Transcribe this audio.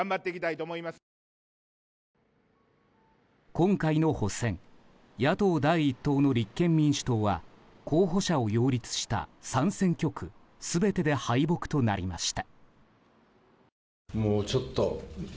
今回の補選野党第１党の立憲民主党は候補者を擁立した３選挙区全てで敗北となりました。